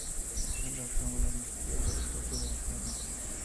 Este es uno de los fenómenos más estudiados desde el punto de vista ambiental.